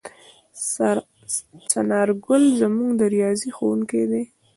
څنارګل زموږ د ریاضي ښؤونکی دی.